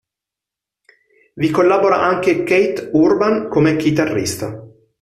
Vi collabora anche Keith Urban come chitarrista.